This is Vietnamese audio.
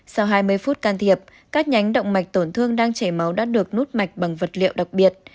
sau hai mươi phút can thiệp các nhánh động mạch tổn thương đang chảy máu đã được nút mạch bằng vật liệu đặc biệt